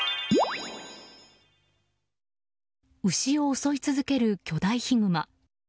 牛を襲い続ける巨大ヒグマ。